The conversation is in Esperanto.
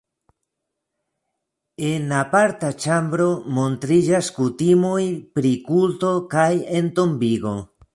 En aparta ĉambro montriĝas kutimoj pri kulto kaj entombigo.